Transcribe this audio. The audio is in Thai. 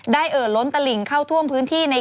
ได้เอ่อล้นตะหลิงเข้าท่วมพื้นที่